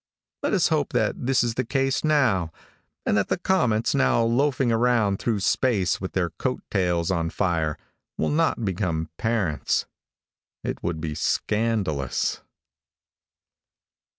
Let us hope that this is the case now, and that the comets now loafing around through space with their coat tails on fire will not become parents. It would be scandalous.